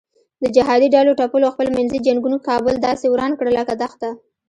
د جهادي ډلو ټپلو خپل منځي جنګونو کابل داسې وران کړ لکه دښته.